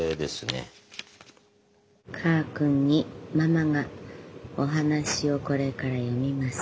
「カー君にママがお話をこれから読みます。